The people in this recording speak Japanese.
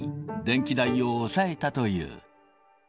電気代を抑えたという。